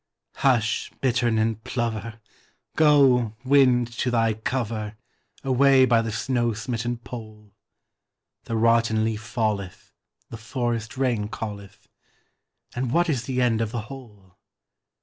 Hush, bittern and plover! Go, wind, to thy cover Away by the snow smitten Pole! The rotten leaf falleth, the forest rain calleth; And what is the end of the whole?